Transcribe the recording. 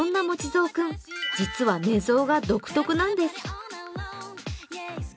ぞう君、実は寝相が独特なんです。